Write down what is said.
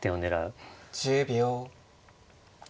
１０秒。